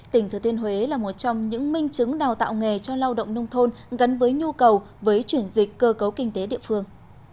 tỉnh thừa tiên huế là một trong những minh chứng đào tạo nghề cho lao động nông thôn gắn với nhu cầu với chuyển dịch cơ cấu kinh tế địa phương